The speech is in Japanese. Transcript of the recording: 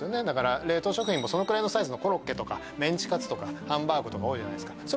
だから冷凍食品もそのくらいのサイズのコロッケとかメンチカツとかハンバーグとか多いじゃないですか